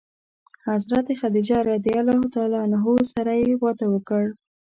حضرت خدیجه رض سره یې واده وکړ.